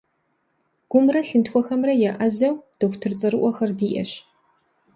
Гумрэ лъынтхуэхэмрэ еӏэзэ дохутыр цӏэрыӏуэхэр диӏэщ.